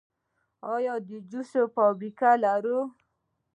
آیا د جوس فابریکې لرو؟